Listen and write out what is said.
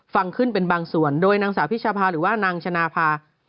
ฟังขึ้นเป็นบางส่วนโดยนางสาวพิชภาหรือว่านางชนะภา